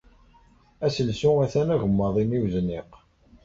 Asensu atan agemmaḍ-inna i wezniq.